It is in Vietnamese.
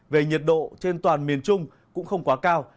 về nhiệt độ trên toàn miền trung cũng không quá cao